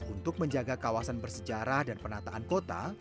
untuk menjaga kawasan bersejarah dan penataan kota